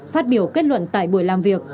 phát biểu kết luận tại buổi làm việc